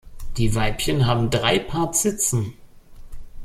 Die Weibchen haben drei Paar Zitzen.